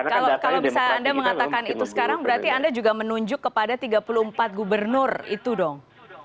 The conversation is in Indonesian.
kalau misalnya anda mengatakan itu sekarang berarti anda juga menunjuk kepada tiga puluh empat gubernur itu dong